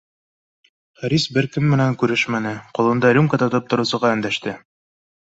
Харис бер кем менән күрешмәне, ҡулында рюмка тотоп тороусыға өндәште: